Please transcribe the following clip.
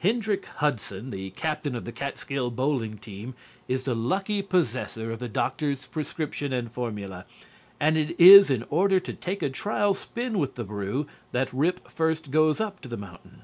Hendrick Hudson, the Captain of the Catskill Bowling Team, is the lucky possessor of the doctor's prescription and formula, and it is in order to take a trial spin with the brew that Rip first goes up to the mountain.